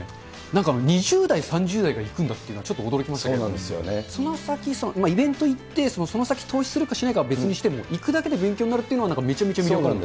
なんか２０代、３０代が行くんだっていうのが、ちょっと驚きましたけど、その先、イベント行って、その先、投資するかしないかは別にしても、行くだけで勉強になるというのが、なんかめちゃめちゃ魅力がある。